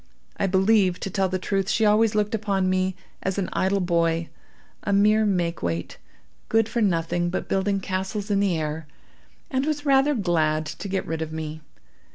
I believe, to tell the truth, she always looked upon me as an idle boy, a mere make weight, good for nothing but building castles in the air, and was rather glad to get rid of me.